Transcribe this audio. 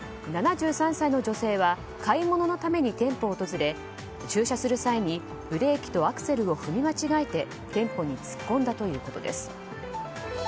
７３歳の女性は買い物のために店舗を訪れ駐車する際にブレーキとアクセルを踏み間違えて店舗に突っ込んだということです。